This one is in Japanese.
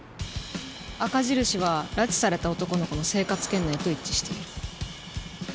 赤印は拉致された男の子の生活圏内と一致している。